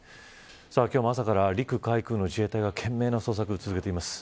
今日も朝から陸海空の自衛隊が懸命な捜索を続けています。